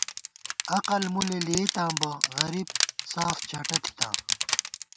عقل مُلے لېئیتاں بہ غریب ساف چٹہ تھِتاں